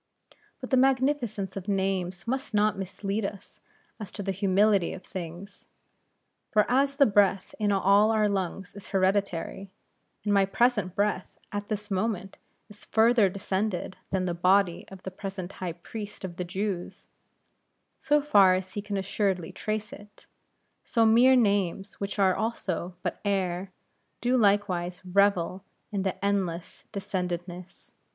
But the magnificence of names must not mislead us as to the humility of things. For as the breath in all our lungs is hereditary, and my present breath at this moment, is further descended than the body of the present High Priest of the Jews, so far as he can assuredly trace it; so mere names, which are also but air, do likewise revel in this endless descendedness.